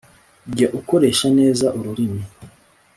Jya ukoresha neza ururimi